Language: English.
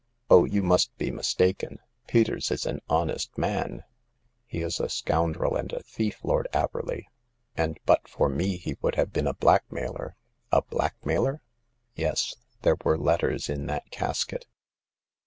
" Oh, you must be mistaken ! Peters is an honest man !"'* He is a scoundrel and a thief. Lord Averley ; and but for me he would have been a black mailer." " A blackmailer ?"" Yes. There were letters in that casket."